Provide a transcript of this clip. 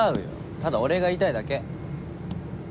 ただお礼が言いたいだけ。